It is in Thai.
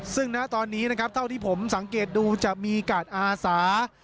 ซึ่งณตอนนี้นะครับเท่าที่ผมสังเกตดูจะมีกาดอาสา